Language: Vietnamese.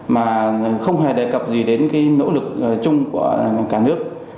mà không hề đề cập gì đến cái nỗ lực chung của cả nước